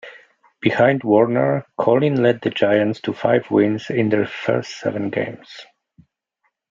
Behind Warner, Coughlin led the Giants to five wins in their first seven games.